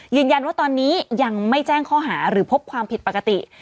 ยืนยันว่าตอนนี้ยังไม่แจ้งข้อหาหรือพบความผิดปกติ